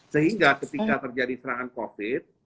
sehingga ketika terjadi serangan covid sembilan belas